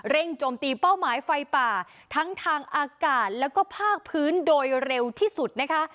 โจมตีเป้าหมายไฟป่าทั้งทางอากาศแล้วก็ภาคพื้นโดยเร็วที่สุดนะคะ